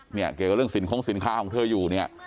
เนี่ยเกี่ยวกับเรื่องสินค้าของเธออยู่เนี่ย